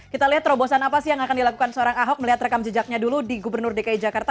kita lihat terobosan apa sih yang akan dilakukan seorang ahok melihat rekam jejaknya dulu di gubernur dki jakarta